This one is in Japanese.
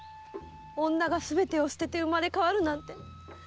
女がすべてを捨てて生まれ変わるなんてそりゃあ